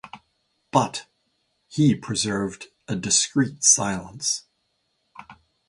But he preserved a discreet silence.